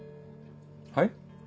はい？